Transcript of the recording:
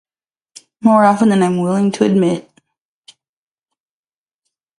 More often than I'm willing to admit.